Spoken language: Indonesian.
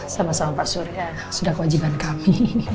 sama sama pak surya sudah kewajiban kami